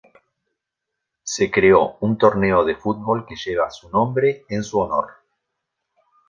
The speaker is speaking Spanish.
Se creó un torneo de fútbol que lleva su nombre en su honor.